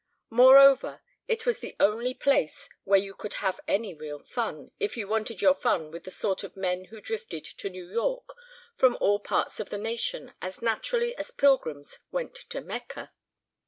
Moreover, it was the only place where you could have any real fun, if you wanted your fun with the sort of men who drifted to New York from all parts of the nation as naturally as pilgrims went to Mecca.